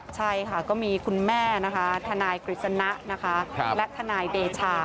ใช่ค่ะก็มีคุณแม่นะคะทนายกฤษณะนะคะและทนายเดชา